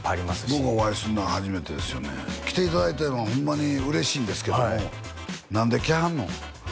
僕お会いすんのは初めてですよね来ていただいたのはホンマに嬉しいんですけども何で来はんの？